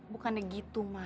bukannya gitu mas